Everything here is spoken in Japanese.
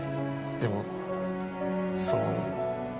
でもその。